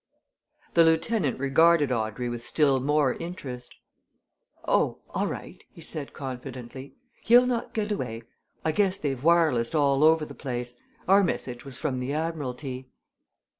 The lieutenant regarded Audrey with still more interest. "Oh, all right," he said confidently. "He'll not get away. I guess they've wirelessed all over the place our message was from the Admiralty!"